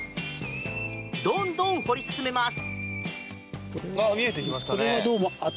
どんどん掘り進めます。